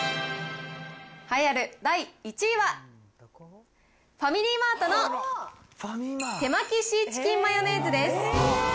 栄えある第１位は、ファミリーマートの手巻シーチキンマヨネーズです。